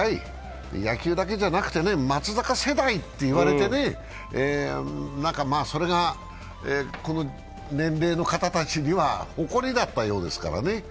野球だけじゃなくて松坂世代って言われてね、それがこの年齢の方たちには誇りだったようですからね。